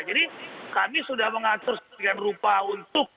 jadi kami sudah mengatur sedemikian rupa untuknya